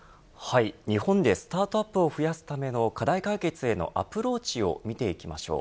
日本でスタートアップを増やすための課題解決へのアプローチを見ていきましょう。